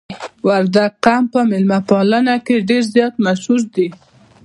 وردګ قوم په میلمه پالنه کې ډیر زیات مشهور دي.